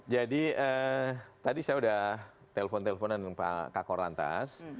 jadi tadi saya udah telepon teleponan dengan pak kak kor lantas